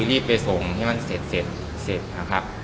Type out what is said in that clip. รีบไปส่งให้มันเสร็จนะครับ